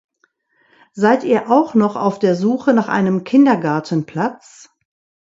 Seid ihr auch noch auf der Suche nach einem Kindergartenplatz?